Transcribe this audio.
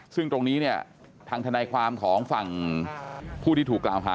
ซึ่งตรงนี้เนี่ยทางทนายความของฝั่งผู้ที่ถูกกล่าวหา